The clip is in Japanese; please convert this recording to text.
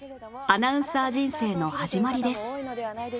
アナウンサー人生の始まりです